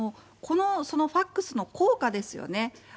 そのファックスの効果ですよね。